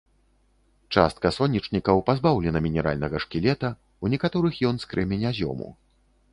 Частка сонечнікаў пазбаўлена мінеральнага шкілета, у некаторых ён з крэменязёму.